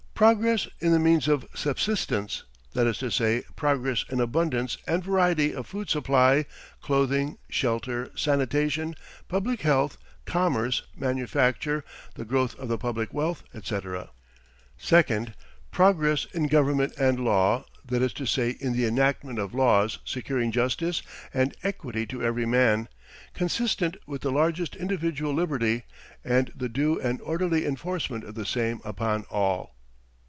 Progress in the means of subsistence, that is to say, progress in abundance and variety of food supply, clothing, shelter, sanitation, public health, commerce, manufacture, the growth of the public wealth, etc. 2nd. Progress in government and law, that is to say, in the enactment of laws securing justice and equity to every man, consistent with the largest individual liberty, and the due and orderly enforcement of the same upon all.